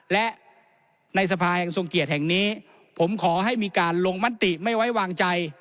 และในสภาแห่งทรงเกียรติแห่งนี้ผมขอให้มีการลงมติไม่ไว้วางใจ